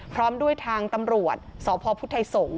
พร้อมด้วยทางตำรวจสพพุทธไทยสงศ